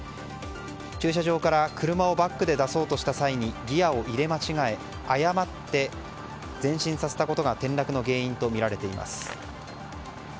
駐車場から車をバックで出そうとした際にギアを入れ間違え誤って前進させたことが転落の原因とみられています。